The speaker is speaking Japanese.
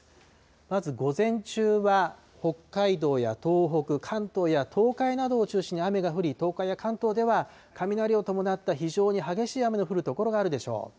まず午前中は、北海道や東北、関東や東海などを中心に雨が降り、東海や関東では雷を伴った非常に激しい雨の降る所があるでしょう。